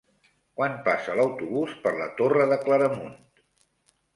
Quan passa l'autobús per la Torre de Claramunt?